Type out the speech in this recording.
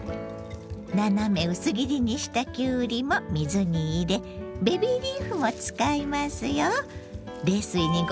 斜め薄切りにしたきゅうりも水に入れベビーリーフも使いますよ。